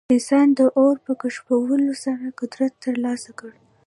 انسان د اور په کشفولو سره قدرت ترلاسه کړ.